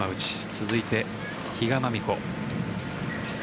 続いて比嘉真美子。